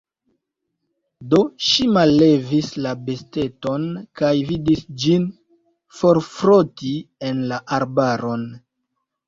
Do ŝi mallevis la besteton, kaj vidis ĝin fortroti en la arbaron.